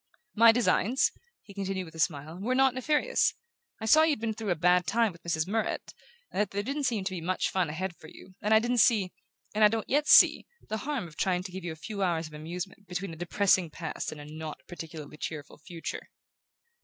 "My designs," he continued with a smile, "were not nefarious. I saw you'd been through a bad time with Mrs. Murrett, and that there didn't seem to be much fun ahead for you; and I didn't see and I don't yet see the harm of trying to give you a few hours of amusement between a depressing past and a not particularly cheerful future."